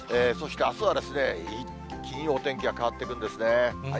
そしてあすは、一気にお天気が変わっていくんですね。